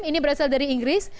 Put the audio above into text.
ini berasal dari inggris